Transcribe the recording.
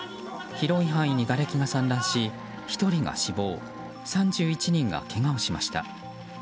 広い範囲にがれきが散乱し１人が死亡３１人がけがをしました。